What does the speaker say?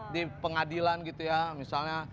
di pengadilan gitu ya misalnya